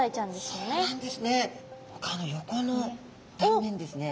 そうなんですね。